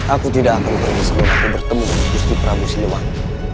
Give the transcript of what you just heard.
aku tidak akan berhenti selama aku bertemu dengan gusti pramusi luwak